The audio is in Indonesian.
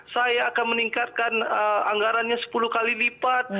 saya akan meningkatkan anggarannya sepuluh kali lipat